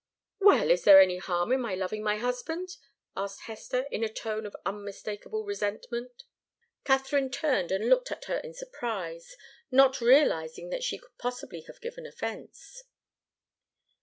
"Well is there any harm in my loving my husband?" asked Hester, in a tone of unmistakable resentment. Katharine turned and looked at her in surprise, not realizing that she could possibly have given offence.